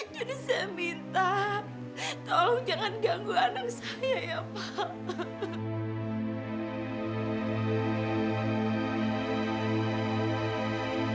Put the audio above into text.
jadi saya minta tolong jangan ganggu anak saya ya pak